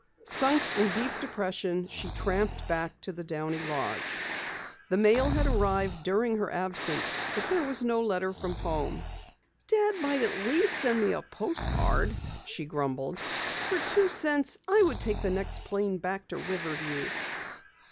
Sunk deep in depression, she tramped back to the Downey lodge. The mail had arrived during her absence but there was no letter from home. "Dad might at least send me a postcard," she grumbled. "For two cents I would take the next plane back to Riverview."